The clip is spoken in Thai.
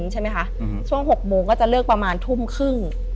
ช่วง๖โมงก็จะเลิกประมาณทุ่มครึ่ง